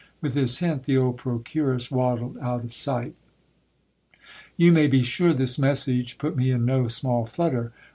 With this hint, the old procuress waddled out of sight. You may be sure this message put me in no small flutter.